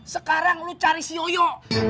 sekarang lu cari si yoyo